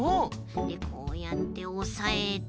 でこうやっておさえてうえから。